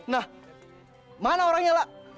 nah mana orangnya lah